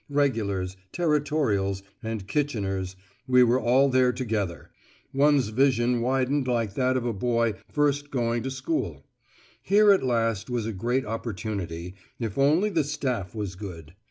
Regulars, Territorials, and Kitcheners, we were all there together; one's vision widened like that of a boy first going to school. Here at least was a great opportunity, if only the staff was good.